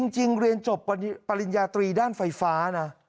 จริงเรียนจบปริญญาตรีด้านไฟฟ้านะ